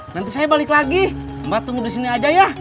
nanti saya balik lagi mbak tunggu di sini aja ya